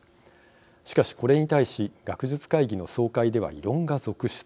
しかし、これに対し学術会議の総会では異論が続出。